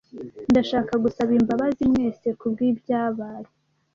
Ndashaka gusaba imbabazi mwese kubwibyabaye.